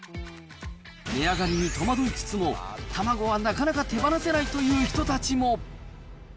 値上がりに戸惑いつつも、卵はなかなか手放せないという人たちも。